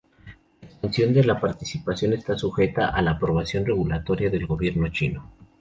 La expansión de la participación está sujeta a la aprobación regulatoria del gobierno chino.